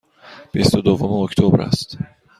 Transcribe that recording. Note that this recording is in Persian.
بیست و دوم اکتبر است.